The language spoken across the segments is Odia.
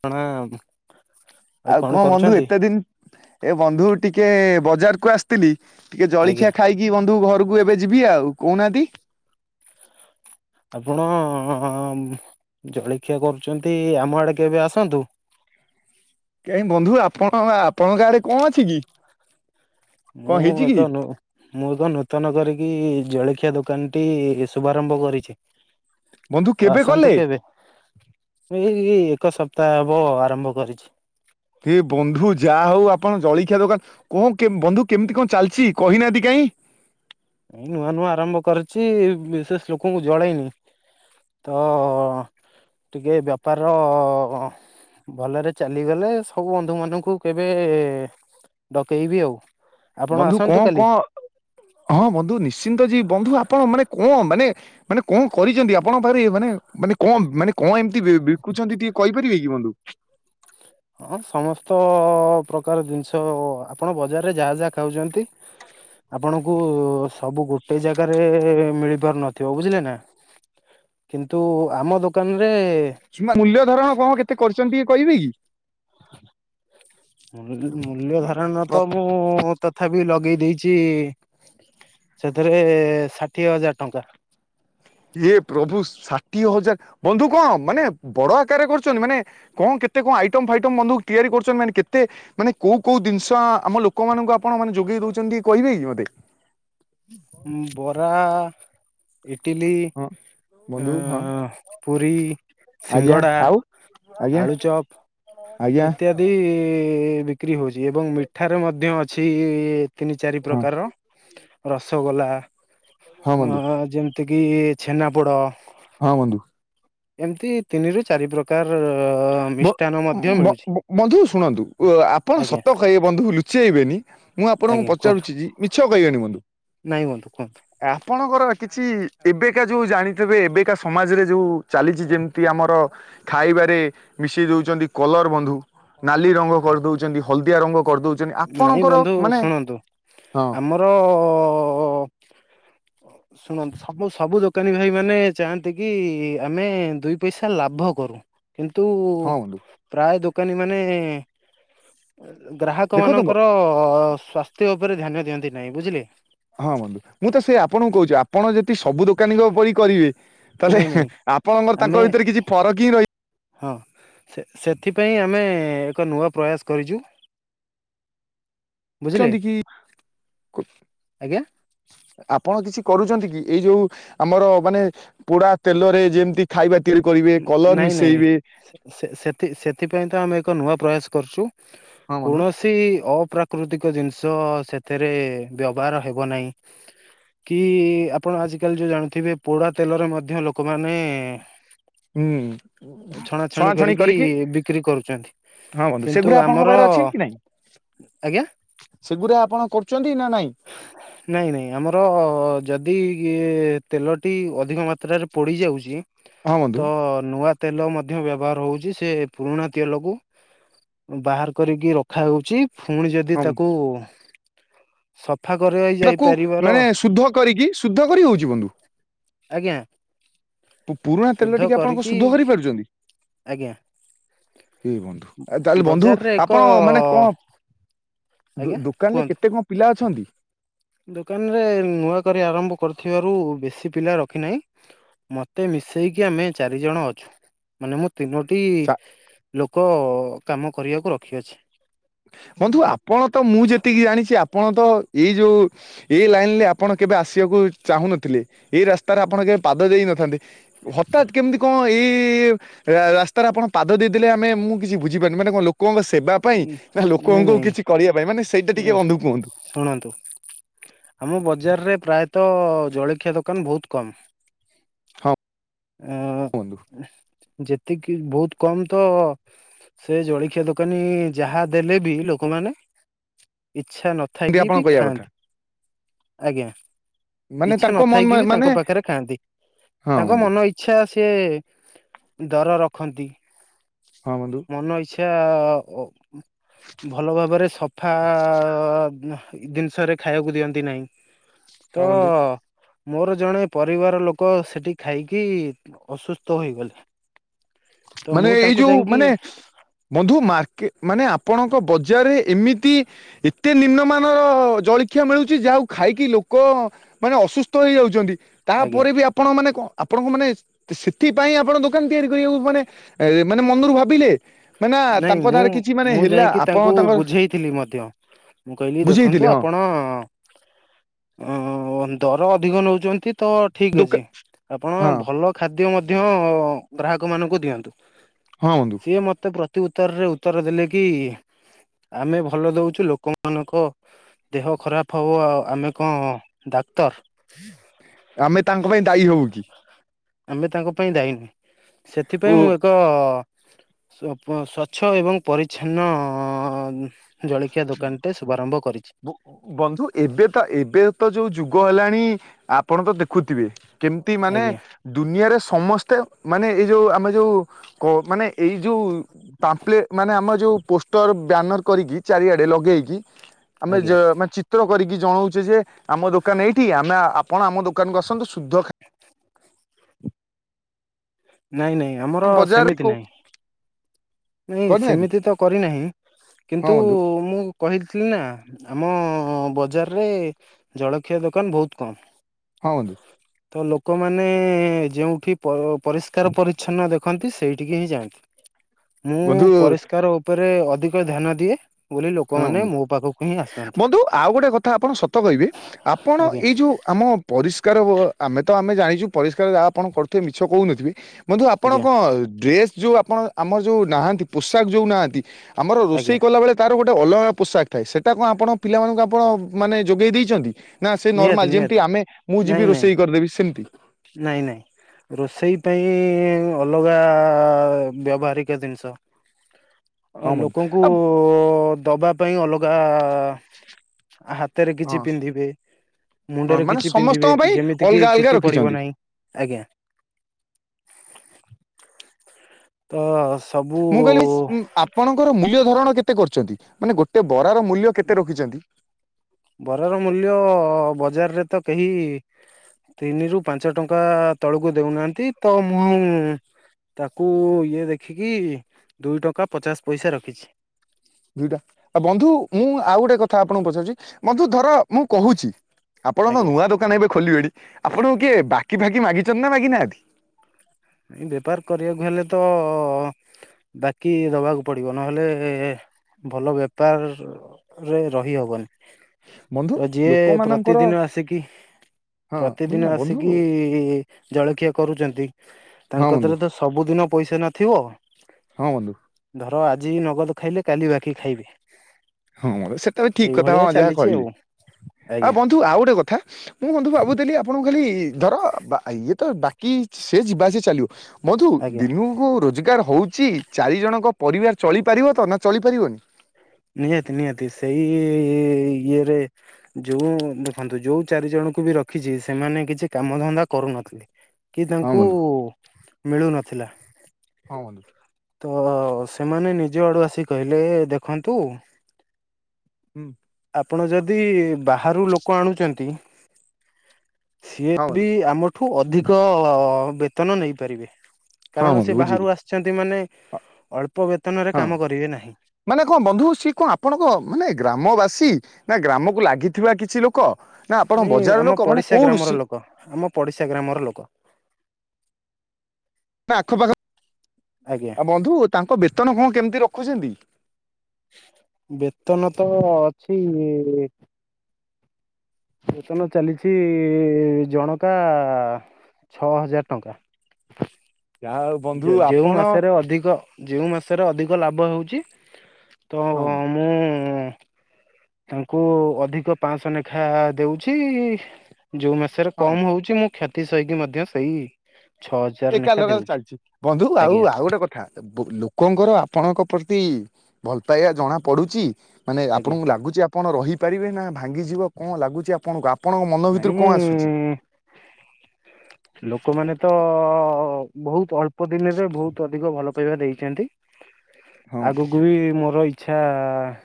କଣ ନା? ଆଉ କଣ ବନ୍ଧୁ ଏତେ ଦିନ ଏ ବନ୍ଧୁ ଟିକେ ବଜାର କୁ ଆସିଥିଲି। ଟିକେ ଆଜ୍ଞା ଜଳଖିଆ ଖାଇକି ବନ୍ଧୁ ଘରକୁ ଏବେ ଯିବି ଆଉ କହୁନାହାନ୍ତି। ଆପଣ ଜଳଖିଆ କରୁଛନ୍ତି ଆମ ଆଡେ କେବେ ଆସନ୍ତୁ? କାଇଁ ବନ୍ଧୁ ଆପଣଙ୍କ ଆଡେ କଣ ଅଛି କି? କଣ ମୁଁ ହେଇଛି କି ଏକ ମୁଁ ଏକ ନୂତନ କରିକି ଜଳଖିଆ ଦୋକାନ ଟି ଶୁଭାରମ୍ଭ କରିଛି। ବନ୍ଧୁ ତ କେବେ ଆସନ୍ତୁ କଲେ? କେବେ ଏଇ ଏକ ସପ୍ତା ତ ହବ ଆରମ୍ଭ କରିଛି। ହେ ବନ୍ଧୁ ଯାହା ହଉ ଆପଣ ଜଳଖିଆ ଦୋକାନ କଣ ବନ୍ଧୁ କେମତି କଣ ଚାଲିଛି କହିନାହାନ୍ତି କାଇଁ? ଏଇ ନୂଆ ନୂଆ ଆରମ୍ଭ କରିଛି ବିଶେଷ ଲୋକଙ୍କୁ ଜଣେଇନି। ତ ଟିକେ ବେପାରର ଭଲରେ ଚାଲିଗଲେ ସବୁ ବନ୍ଧୁ ମାନଙ୍କୁ କେବେ ଡକେଇବି ଆଉ? ଆପଣ ବନ୍ଧୁ ଆସନ୍ତୁ କଣ କାଲି। କଣ ହଁ ବନ୍ଧୁ ନିଶ୍ଚିନ୍ତ ଯେ ବନ୍ଧୁ ଆପଣ ମାନେ କଣ ମାନେ ମାନେ କଣ କରିଛନ୍ତି ଆପଣଙ୍କ ପାଖରେ ମାନେ ମାନେ କଣ ମାନେ କଣ ଏମିତି ବିକୁଛନ୍ତି ଟିକେ କହିପାରିବେ କି ଟିକେ ବନ୍ଧୁ? [inaudible] ହଁ ସମସ୍ତ ପ୍ରକାର ଜିନିଷ ଆପଣ ବଜାରରେ ଯାହା ଯାହା ଖାଉଛନ୍ତି ଆପଣଙ୍କୁ ସବୁ ଗୋଟେ ଜାଗାରେ ମିଳି ପାରୁନଥିବ ବୁଝିଲେ ନା କିନ୍ତୁ ଆମ ଦୋକାନରେ ମୂଲ୍ୟ ଧରଣ କଣ କେତେ କରିଛନ୍ତି ଟିକେ କହିବେ କି? ମୂଲ୍ୟ ମାନେ ଧାରଣ ତ ମୁଁ ତ ତଥା ବି ଲଗେଇ ଦେଇଛି ସେଥିରେ ଷାଠିଏ ହଜାର ଟଙ୍କା। ଇଏ ପ୍ରଭୁ ଷାଠିଏ ହଜାର ବନ୍ଧୁ କଣ ମାନେ ବଡ ଆକାରରେ କରୁଛନ୍ତି ମାନେ କଣ କେ କେତେ କଣ ଆଇଟମ ଫାଇଟମ ବନ୍ଧୁ ତିଆରି କରୁଛନ୍ତି ମାନେ କେତୋନେ କୋଉ କୋଉ ଜିନିଷ ଆମ ଲୋକମାନଙ୍କୁ ଆପଣ ଲଗେଇ ଦଉଛନ୍ତି କହିବେ କି ମତେ? ବରା ଇଟିଲି ହଁ ଅ ବନ୍ଧୁ ହଁ ପୁରୀ ଆଜ୍ଞା ଆଉ ଆଜ୍ଞା ଆଳୁଚପ୍ ଆଜ୍ଞା ଇତ୍ୟାଦି ବିକ୍ରି ହ ଏବଂ ମିଠାରେ ମଧ୍ୟ ଅଛି ତିନି ଚାରି ହଁ ପ୍ରକାର ରସଗୋଲା ହଁ ବନ୍ଧୁ ଅ ଯେମିତି କିି ଛେନାପୋଡ ହଁ ବନ୍ଧୁ ଏମିତି ତିନି ରୁ ଚାରି ଦିନ କାଳ ଅ ମିଷ୍ଟାନ୍ନ ମଧ୍ୟ ବ ମିଳୁଛି -ବ ବନ୍ଧୁ ଶୁଣନ୍ତୁ ଆ - ଆପଣ ଆଜ୍ଞା ସତ କହିବେ ବନ୍ଧୁ ଲୁଚେଇବେନି ମୁଁ ଆପଣଙ୍କୁ ଆଜ୍ଞା କୁହନ୍ତୁ ପଚାରୁଛି ଯି ମିଛ କହିବେନି ବନ୍ଧୁ ନାଇଁ ବନ୍ଧୁ କୁହନ୍ତୁ ଆପଣଙ୍କର କିଛି ଏବେକା ଯୋଉ ଜାଣିଥିବେ ଏବେକା ସମାଜ ରେ ଯୋଉ ଚାଲିଚି ଯେମିତି ଆମର ଖାଇବାରେ ମିଶେଇ ଦଉଛନ୍ତି କଲର ବନ୍ଧୁ ନାଲି ରଙ୍ଗ କରି ଦଉଛନ୍ତି ହଳଦିଆ ରଙ୍ଗ କରିଦଉଛନ୍ତି ନାଇଁ ଆପଣଙ୍କର ବନ୍ଧୁ ମାନେ ଶୁଣନ୍ତୁ ହଁ ଆମର ଅ ଅ ଶୁଣନ୍ତୁ ସବୁ ସବୁ ଦୋକାନୀ ଭାଇମାନେ ଚାହାଁନ୍ତି କି ଆମେ ଦି ପଇସା ଲାଭ କରୁ। କିନ୍ତୁ ହଁ ବନ୍ଧୁ ପ୍ରାୟ ଦୋକାନୀ ମାନେ ଅ ବ୍ର ତାଙ୍କ ଦେଖନ୍ତୁ ମୋ ମାନଙ୍କର ସ୍ୱାସ୍ଥ୍ୟ ଉପରେ ଧ୍ୟାନ ଦିଅନ୍ତି ନାହିଁ ବୁଝିଲେ। ହଁ ବନ୍ଧୁ ମୁଁ ତ ସେ ଆପଣଙ୍କୁ କହୁଛି ଆପଣ ଯଦି ସବୁ ଦୋକାନୀ ଙ୍କ ପରି କରିବେ। ନାଇଁ ତାହେଲେ ନାଇଁ ଆପଙ୍କର ଆମେ ତାଙ୍କ ଭିତରେ କିଛି ଫରକ୍ ହିଁ ରହି ହଁ ସେ ସେଥିପାଇଁ ଆମେ ଏକ ନୂଆ କରିଛୁ? ବୁଝିଲେ ଛନ୍ତି କି ଆଜ୍ଞା ଆପଣ କିଛି କରୁଛନ୍ତି କି? ଏଇ ଯୋଉ ଆମର ମାନେ ପୋଡା ତେଲରେ ଯେମିତି ଖାଇବା ତିଆରି କରିବେ ନ- କଲର ନାଇଁ ନାଇଁ ମିଶେଇବେ ସେ ସେ ସେଥିପାଇଁ ତ ଆମେ ଏକ ନୂଆ ପ୍ରୟାସ କରୁଛୁ ହଁ ବନ୍ଧୁ କୌଣସି ଅ ପ୍ରାକୃତିକ ଜିନିଷ ସେଥିରେ ବ୍ୟବହାର ହେବ ନାହିଁ। କି ଆପଣ ଆଜିକାଲି ଯୋଉ ଜାଣୁଥିବେ ପୋଡା ତେଲରେ ମଧ୍ୟ ଲୋକମାନେ ହୁଁ ଛଣାଛଣି କରିକି ହଁ ବନ୍ଧୁ କିନ୍ତୁ ସେଗୁଡା ଆମର ଆପଣଙ୍କ ପାଖରେ ଅଛି କି ନାଇଁ? ଆଜ୍ଞା। ସେଗୁରା ଆପଣ କରୁଚନ୍ତି ନା ନାହିଁ? ନାଇଁ ନାଇଁ ଆମର ଯଦି ତେଲଟି ଅଧିକ ମାତ୍ରାରେ ପୋଡି ଯାଉଚି। ହଁ ବନ୍ଧୁ ନୂଆ ତେଲ ମଧ୍ୟ ବ୍ୟବହାର ହୋଉଚି। ସେ ପୁରୁଣା ତେଲକୁ ବାହାର କରିକି ରଖା ହୋଉଚି। ଫୁଣି ଯଦି ହଁ ତାକୁ ସ ସଫା କାରେଆଇ ତାକୁ ଯାଇପାରିବାର ମାନେ ଶୁଦ୍ଧ କରିକି ଶୁଦ୍ଧ କରି ହଉଛି ବନ୍ଧୁ। ଆଜ୍ଞା। କେତେଳେ ଶୁଦ୍ଧ ଟିକେ ଆପଣଙ୍କ କରିକି ସୁଧ କରି ପାରୁଚନ୍ତି? ଆଜ୍ଞା ଏଇ ବନ୍ଧୁ ଆ ତାହେଲେ ବନ୍ଧୁ ବଜାରରେ ଏକ ଆପଣ ମାନେ କଣ ଆଜ୍ଞା ଦୋ-ଦୋ-ଦୋକାନ୍ ରେ କୁହନ୍ତୁ। କେତେ କଣ ପିଲା ଅଛନ୍ତି? ଦୋକାନରେ ନୂଆ କରିବା ଆରମ୍ଭ କରିୁଥିବାରୁ ବେଶୀ ପିଲା ରଖିନାହିଁ। ମତେ ମିଶେଇ କି ଆମେ ଚାରି ଜଣ ଅଛୁ ମାନେ ମୁଁ ତିନୋଟି ଚା ଲୋକ କାମ କରିବାକୁ ରଖିଅଛି। ବନ୍ଧୁ ଆପଣ ତ ମୁଁ ଯେତିକି ଜାଣିଛି ଆପଣ ତ ଏଇ ଯୋଉ ଏଇ ଲାଇନରେ ଆପଣ କେବେ ଆସିବାକୁ ଚାହୁଁନଥିଲେ ଏଇ ରାସ୍ତାରେ ଆପଣ କେ ପାଦ ଦେଇ ନଥାନ୍ତି। ହଟାତ୍ କେମିତି କଣ ଏଇ ରା -ରାସ୍ତା ରେ ଆପଣ ପାଦ ଦେଇ ଦେଲେ ଆମେ ମୁଁ କିଛି ବୁଝିପାରୁନି ମାନେ କଣ ଲୋକଙ୍କ ସେବା ପାଇଁ ନା ନାଇଁ ଲୋକଙ୍କୁ କିଛି କରିବା ପାଇଁ ମାନେ ସେଇଟା ଟିକେ ନାଇଁ ବନ୍ଧୁ କୁହନ୍ତୁ ଶୁଣନ୍ତୁ ଆମ ବଜାରରେ ପ୍ରାୟତଃ ଜଳଖିଆ ଦୋକାନ ବୋହୁତ କମ୍। ହଁ ଆଁ କୁହନ୍ତୁ ଯେ ଏତିକି ବୋହୁତ୍ କମ୍ ତ ସେ ଜଳିଖିଆ ଦୋକାନ ନି ଯାହା ଦେଲେ ବି ଲୋକ ମାନେ ଇଚ୍ଛା ଏମିତି ନଥାଇକି ଆପଣ ବି କହିବା କଥା। ଖାଆନ୍ତି ଆଜ୍ଞା। ମାନେ ଇଚ୍ଛା ତାଙ୍କ ମନ ନଥାଇକି ବି ମାନେ ତାଙ୍କ ପାଖରେ ଖାଆନ୍ତି ହଁ ତାଙ୍କ ବନ୍ଧୁ ମନ ଇଚ୍ଛା ସେ ସେ ଦର ରଖନ୍ତି। ହଁ ବନ୍ଧୁ। ମନ ଅ ଇଚ୍ଛା ଅଉ। ଭଲ ଭାବରେ ସଫା ଜିନିଷରେ ଖାଇବାକୁ ଦିଅନ୍ତି ନାହିଁ। ତ ହଁ ବନ୍ଧୁ ମୋର ଜଣେ ପରିବାର ଲୋକ ସେଠି ଖାଇକି ଅସୁସ୍ଥ ହୋଇଗଲେ। ତ ମାନେ ମୁଁ ଏଇ ତାଙ୍କୁ ଯୋଉ ଯାଇକି ମାନେ ବନ୍ଧୁ ମାର୍କେ ମାନେ ଆପଣଙ୍କ ବଜାରରେ ଏମିତି ଏତେ ନିମ୍ନମାନର ଜଳଖିଆ ମିଳୁଛି ଯାହାକୁ ଖାଇକି ଲୋକମାନେ ଅସୁସ୍ଥ ହେଇଯାଉଛନ୍ତି। ଆଜ୍ଞା ତାପରେ ବି ଆପଣ ମାନେ ଆପଣଙ୍କୁ ମାନେ ସେଥିପାଇଁ ଆପଣ ଦୋକାନ ତିଆରି କରିବାକୁ ମାନେ ଏ ମାନେ ମନରୁ ଭାବିଲେ। ମାନେ ନାଇଁ ତାଙ୍କ ନାଁରେ କିଛି ମାନେ ମୁଁ-ମୁଁ ହେଲା ଯାଇକି ଆପଣ ତାଙ୍କୁ ତାଙ୍କର ବୁଝେଇଥିଲି ମଧ୍ୟ। ମୁଁ କହିଲି ବୁଝେଇଥିଲେ ଦେଖନ୍ତୁ ହଁ ଆପଣ ଅ ଦର ଅଧିକ ନେଉଛନ୍ତି ତ ଠିକ ଦୋକା ଅଛି। ଆପଣ ହଁ ଭଲ ଖାଦ୍ୟ ଖାଦ୍ୟ ମଧ୍ୟ ଗ୍ରାହକ ମାନଙ୍କୁ ଦିଅନ୍ତୁ। ହଁ ବନ୍ଧୁ। ସିଏ ମତେ ପ୍ରତି ଉତ୍ତରରେ ଉତ୍ତର ଦେଲେ କି ଆମେ ଭଲ ଦଉଛୁ ଲୋକମାନଙ୍କ ଦେହ ଖରାପ ହବ ଆଉ ଆମେ କଣ ଡାକ୍ତର। ଆମେ ତାଙ୍କ ପାଇଁ ଦାୟୀ ହବୁ କି? ଆମେ ତାଙ୍କ ପାଇଁ ଦାୟୀ ନୁହେଁ। ଓ ସେଥିପାଇଁ ମୁଁ ଏକ ସ୍ଵଚ୍ଛ ଏବଂ ପରିଚ୍ଛନ୍ନ ଜଳଖିଆ ଦୋକାନଟେ ଶୁଭାରମ୍ଭ କରିଛି। ବନ୍ଧୁ ଏବେ ତ-ଏବେ ତ ଯୋଉ ଯୁଗ ହେଲାଣି। ଆପଣ ତ ଦେଖୁଥିବେ କେମତି ମାନେ ଆଜ୍ଞା ଦୁନିଆରେ ସମସ୍ତେ ମାନେ ଏଇ ଯୋଉ ଆମ ଯୋଉ ମାନେ ଏଇ ଯୋଉ ପାମ୍ପେଲେ ମାନେ ଆମେ ଯୋଉ ପୋଷ୍ଟର ବ୍ୟାନର କରିଛି ଚାରି ଆଡେ଼ ଲଗେଇକି ଆମେ ଯ ଆଜ୍ଞା ମା ଚିତ୍ର କରିକି ଜଣାଉଛେ ଯେ ଆମ ଦୋକାନ ଏଇଠି ଆମେ ଆପଣ ଆମ ଦୋକାନକୁ ଆସନ୍ତୁ ଶୁଦ୍ଧ ଖାଇ ହ ନାଇଁ ନାଇଁ ଆମର ବଜାର ସେମିତି ନାହିଁ। ନାଇଁ କରିନାହାନ୍ତି ସେମିତି ତ କରିନାହିଁ ହଁ କିନ୍ତୁ ବନ୍ଧୁ ମୁଁ କହିଥିଲି ନା ଆମ ହଁ ବଜାରରେ ଜଳଖିଆ ଦୋକାନ ବହୁତ କମ୍। ହଁ ବନ୍ଧୁ। ତ ଲୋକମାନେ ଯେଉଁଠି ପରିଷ୍କାର ପରିଚ୍ଛନ୍ନ ଦେଖନ୍ତି ସେଇଠିକି ହିଁ ଯାଆନ୍ତି। ମୁଁ ବନ୍ଧୁ ପରିଷ୍କାର ଉପରେ ଅଧିକ ଧ୍ୟାନ ଦିଏ ବୋଲି ହଁ ବନ୍ଧୁ ଲୋକମାନୋନ ମୋ ପାଖକୁ ହିଁ ଆସନ୍ତି। ବନ୍ଧୁ ଆଉ ଗୋଟେ କଥା ଆପଣ ସତ କହିବେ ଆପଣ ଆଜ୍ଞା ଏଇ ଯୋଉ ଆମ ପରିଷ୍କା ପରିଷ୍କାର ଆମେ ତ ଆମେ ଜାଣିଛୁ ପରିଷ୍କାର ଯାହା ଆପଣ କରୁଥିବେ ମିଛ କହୁନଥିବେ। ବନ୍ଧୁ ଆପଣ ଆଜ୍ଞା କଣ ଡ୍ରେସ୍ ଯୋଉ ଆପଣ ଆମର ଯେଉଁ ନାହାନ୍ତି ପୋଷାକ ଯୋଉଁ ନାହାନ୍ତି। ଆମର ଆଜ୍ଞା ରୋଷେଇ କଲାବେଳେ ତାର ଗୋଟେ ଅଲଗା ପୋଷାକ ଥାଏ ସେଟା କଣ ଆପଣ ପିଲାମାନଙ୍କୁ ଆପଣ ମାନେ ଯୋଗେଇ ଦେଇଛନ୍ତି। ନା ସେ ନିହାତି ନର୍ମାଲ ଯେମିତି ନିହାତି ଆମେ ମୁଁ ଯିବି ନାଇଁ ନାଇଁ ରୋଷେଇ କରିଦେବି ସେମିତି। ନାଇଁ ନାଇଁ ରୋଷେଇ ପାଇଁ ଅଲଗା ବ୍ୟବହାରିକ ଜିନିଷ ହଁ ବନ୍ଧୁ ଲୋକଙ୍କୁ ଆ ଦବା ପାଇଁ ଅଲଗା ଆ ହାତରେ କିଛି ହଁ ପିନ୍ଧିବେ। ହଁ ମୁଣ୍ଡରେ ମାନେ କିଛି ପିନ୍ଧିବେ ସମସ୍ତଙ୍କ ପାଇଁ ଯେମିତି କିି ଅଲଗା ଅଲଗା ଚୁଟି ପଡିବ ରଖିଛନ୍ତି ନାହିଁ। ଆଜ୍ଞା, ତ ସବୁ ମୁଁ କହିଲି ଆପଣଙ୍କର ମୂଲ୍ୟ ଧରଣ କେତେ କରୁଛନ୍ତି ମାନେ ଗୋଟେ ବରାର ମୂଲ୍ୟ କେତେ ରଖିଛନ୍ତି‌? ବରର ମୂଲ୍ୟ ବଜାରରେ ତ କେହି ତିନିରୁ ପାଞ୍ଚ ଟଙ୍କା ତଳକୁ ଦଉନାହାନ୍ତି ତ ମୁଁ ତାକୁ ଇଏ ଦେଖିକି ଦୁଇ ଟଙ୍କା ପଚାଶ ପଇସା ରଖିଛି। ଦୁଇଟା ଆଉ ବନ୍ଧୁ ମୁଁ ଆଉ ଗୋଟେ କଥା ଆପଣଙ୍କୁ ପଚାରୁଛି, ବନ୍ଧୁ ଧର ମୁଁ କହୁଛି ଆପଣ ତ ଆଜ୍ଞା। ନୂଆ ଦୋକାନ ଏବେ ଖୋଲିବେଣି, ଆପଣଙ୍କୁ କିଏ ବାକି ଫାକି ମାଗିଛନ୍ତି ନା ମାଗିନାହାନ୍ତି। ଏ ବେପାର କରିବାକୁ ହେଲେ ତ ବାକି ଦବାକୁ ପଡିବ, ନହେଲେ ଭଲ ବେପାର ରେ ରହିହବନି। ବନ୍ଧୁ ତ ଯିଏ ଲୋକମାନଙ୍କର ପ୍ରତିଦିନ ଆସିକି ହଁ ମାନେ ନା ପ୍ରତିଦିନ ବନ୍ଧୁ ଆସିକି ଜଳଖିଆ କରୁଛନ୍ତି, ହଁ ତାଙ୍କ ବନ୍ଧୁ ରେ ତ ସବୁଦିନ ପଇସା ନଥିବ। ହଁ ବନ୍ତୁ [unintelligible] ଧର ଆଜି ନଗଦ ଖାଇଲେ, କାଲି ବାକି ଖାଇବେ। ହଁ [unintelligible] ସେଟା ବି ଠିକ କଥା ହ ଏଇଭଳିଆ ଯାହା ଚାଲିଛି କହିଲେ। ଆଉ ଆଉ ଆଜ୍ଞା ବନ୍ଧୁ ଆଉ ଗୋଟେ କଥା, ମୁଁ ବନ୍ଧୁ ଭାବୁଥିଲି ଆପଣଙ୍କୁ କହିଲ ଧର, ଇଏ ତ ବାକି ସେ ଯିବା ସେ ଚାଲିବ ବନ୍ଧୁ ଆଜ୍ଞା। ଦିନୁକୁ ରୋଜଗାର ହଉଛି ଚାରି ଜଣଙ୍କ ପରିବାର ଚଳିପାରିବ ତ ନା ଚଳି ପାରିବନି? ନିହାତି, ନିହାତି, ସେଇ ଇଏରେ ଯୋଉ ଦେଖନ୍ତୁ ଯୋଉ ଚାରି ଜଣଙ୍କୁ ବି ରଖିଛି, ସେମାନେ କିଛି କାମ ଧନ୍ଦା କରୁନଥିଲେ। କି ହଁ ତାଙ୍କୁ ବନ୍ଧୁ ମିଳୁନଥିଲା। ହଁ ବନ୍ଧୁ। ତ ସେମାନେ ନିଜ ଆଡୁ ଆସିିକି କହିଲେ, ଦେଖନ୍ତୁ ହୁଁ ଆପଣ ଯଦି ବାହାରୁ ଲୋକ ଆଣୁଛନ୍ତି, ସିଏ ହଁ ବି ବନ୍ଧୁ ଆମ ଠୁ ଅଧିକ ବେତନ ନେଇପାରିବେ, ହଁ କାରଣ ବନ୍ଧୁ ସେ ବୁଝିଲି। ବାହାରୁ ଆସିଛନ୍ତି ମାନେ ଅଳ୍ପ ବେତନରେ ହଁ କାମ କରିବେ ନାହିଁ। ମାନେ କଣ ବନ୍ଧୁ ସିଏ କଣ ଆପଣଙ୍କ ମାନେ ଗ୍ରାମବାସୀ ନା ଗ୍ରାମକୁ ଲାଗିଥିବା କିଛି ଲୋକ ନା ଆପଣ ଏଇ ବଜାର ଆମ ଲୋକ ମାନେ ପଡିଶା କୋଉ ଗ୍ରାମର ଋଷି ଲୋକ, ଆମ ପଡିଶା ଗ୍ରାମର ଲୋକ। ଆଖପାଖ, ଆଜ୍ଞା। ଆଉ ବନ୍ଧୁ ତାଙ୍କ ବେତନ କଣ କେମିତି ରଖୁଛନ୍ତି? ବେତନ ତ ଅଛି? ଵେତନ ଚାଲିଛି ଜଣକା ଛଅ ହଜାର ଟଙ୍କା। [inaudible] ଯାହା ହଉ ବନ୍ଧୁ ଯଉଁ ଆପଣ ମାସରେ ଅଧିକ, ଯେଉଁ ମାସରେ ଅଧିକ ଲାଭ ହଉଛି ତ ହଁ ବନ୍ଧୁ ମୁଁ ତାଙ୍କୁ ଅଧିକ ପାଞ୍ଚଶହ ଲେଖା ଦଉଛି। ଯୋଉ ମାସରେ ହଁ କମ ବନ୍ଧୁ ହଉଛି, ମୁଁ କ୍ଷତି ସହିକି ମଧ୍ୟ ସେଇ ଛଅ ହଜାର ଏକା ଲେଖା ଲଗା ଦେଉଛି ଚାଲିଛି, ବନ୍ଧୁ ଆଉ ଆଜ୍ଞା ଆଉ ଗୋଟେ କଥା ଲୋକଙ୍କର ଆପଣଙ୍କ ଭଲ ପାଇବା ଜଣା ପଡୁଛି, ମାନେ ଆଜ୍ଞା ଆପଣଙ୍କୁ ଲାଗୁଚି ଆପଣ ର ପାରିବେ ନା ଭାଙ୍ଗିଯିବ କଣ ଲାଗୁଚି ଆପଣଙ୍କୁ ଆପଣଙ୍କ ମନ ଭିତରୁ ନାଇଁ କଣ ଆସୁଛି? ଲୋକମାନେ ତ ହ ବହୁତ ଅଳ୍ପ ଦିନରେ, ବହୁତ ଅଧିକ ଭଲ ପାଇବା ଦେଇଛନ୍ତି। ହଁ ଆଗକୁ ବି ମୋର ଇଚ୍ଛା,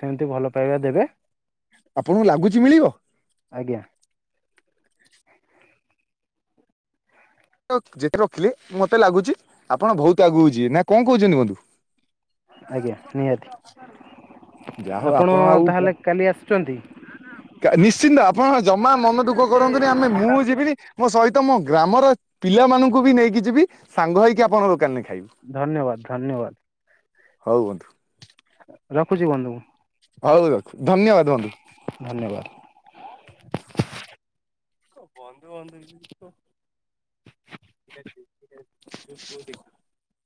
ସେମିତି ଭଲ ପାଇବା ଦେବେ ଆପଣଙ୍କୁ ଲାଗୁଛି ମିଳିବ? ଆଜ୍ଞା। ଯେତେ ରଖିଲେ, ମତେ ଲାଗୁଛି ଆପଣ ବହୁତ ଆଗକୁ ଯିବେ, ନା କଣ କହୁଛନ୍ତି ବନ୍ଧୁ? ଆଜ୍ଞା, ନିହାତି, ଯାହା ହଉ ଆପଣ ଆଉ ତାହେଲେ କାଲି ଆସୁଛନ୍ତି? ନିଶ୍ଚିନ୍ତ, ଆପଣ ଜମା ମନ ଦୁଃଖ କରନ୍ତୁନି ଆମେ ମୁଁ ଯିବିନି ମୋ ସହିତ ତମ ଗ୍ରାମର ପିଲାମାନଙ୍କୁ ବି ନେଇକି ଯିବି ସାଙ୍ଗ ହେଇକି ଆପଣଙ୍କ ଦୋକାନ ଧନ୍ୟବାଦ, ଧନ୍ୟବାଦ। ହଉ ବନ୍ଧୁ। ରଖୁଛି ବନ୍ଧୁ। ଧନ୍ୟବାଦ। [unintelligible] କ ବନ୍ଦୁ [unintelligible] [unintelligible]